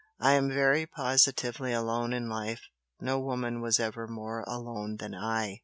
I am very positively alone in life, no woman was ever more alone than I!"